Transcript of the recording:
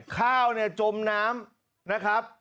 ข้าวเนี่ยจมน้ำนะครับ